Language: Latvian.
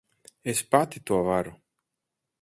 Es pati to varu.